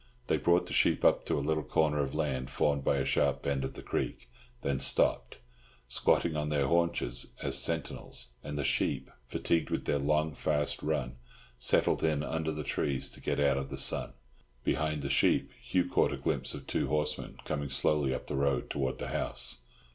They brought the sheep up to a little corner of land formed by a sharp bend of the creek, then stopped, squatting on their haunches as sentinels, and the sheep, fatigued with their long, fast run, settled in under the trees to get out of the sun. Behind the sheep, Hugh caught a glimpse of two horsemen coming slowly up the road towards the house.